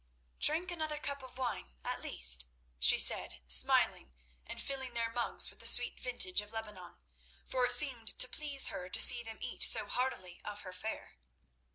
"Drink another cup of wine at least," she said, smiling and filling their mugs with the sweet vintage of Lebanon—for it seemed to please her to see them eat so heartily of her fare.